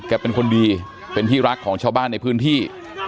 เป็นคนดีเป็นที่รักของชาวบ้านในพื้นที่